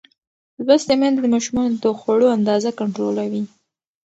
لوستې میندې د ماشومانو د خوړو اندازه کنټرولوي.